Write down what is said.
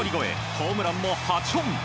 ホームランも８本。